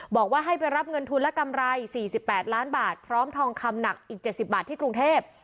บอกว่าให้ไปรับเงินทุนและกำไร๔๘ล้านบาทพร้อมทองคำหนักอีก๗๐บาทที่กรุงเทพ